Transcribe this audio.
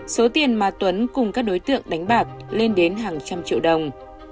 số tiền mà tuấn cùng các đối tượng đánh bạc lên đến hàng trăm triệu đồng